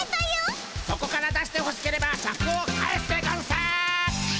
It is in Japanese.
そこから出してほしければシャクを返すでゴンス！